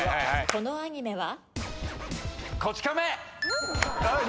このアニメは？